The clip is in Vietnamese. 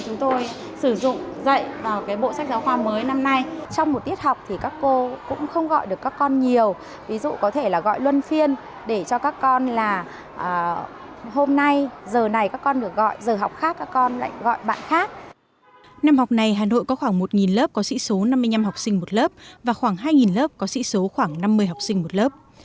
năm học này hà nội có khoảng một lớp có sĩ số năm mươi năm học sinh một lớp và khoảng hai lớp có sĩ số khoảng năm mươi học sinh một lớp